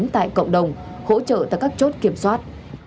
tại cộng đồng hỗ trợ tại các chốt kiểm soát